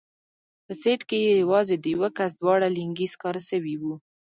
په سيټ کښې يې يوازې د يوه کس دواړه لينگي سکاره سوي وو.